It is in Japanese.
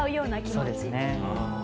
そうですね。